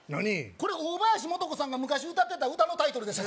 これ大林素子さんが昔歌ってた歌のタイトルです